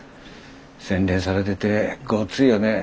洗練されててゴツいよね。